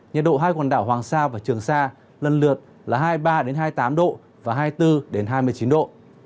nhiệt độ hai quần đảo hoàng sa và trường sa lần lượt là hai mươi ba hai mươi tám độ và hai mươi bốn hai mươi chín độ